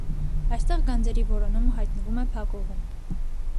Այստեղ գանձերի որոնումը հայտնվում է փակուղում։